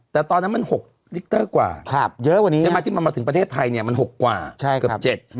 แต่ตอนนั้นมัน๖ลิกเตอร์กว่าเพราะที่มันมาถึงประเทศไทยมัน๖กว่าเกือบ๗